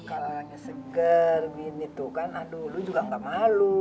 kalau orangnya seger gini tuh kan aduh lo juga gak malu